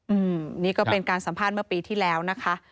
อืมนี่ก็เป็นการสัมภาษณ์เมื่อปีที่แล้วนะคะ